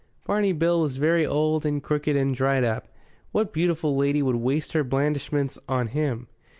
Barney Bill was very old and crooked and dried up; what beautiful lady would waste her blandishments on him?